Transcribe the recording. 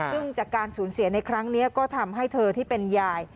ซึ่งจากการสูญเสียในครั้งนี้ก็ทำให้เธอที่เป็นยาย